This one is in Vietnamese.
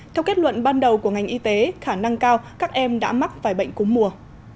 theo kết luận ban đầu của ngành y tế khả năng cao các em đã mắc vài bệnh cúm mùa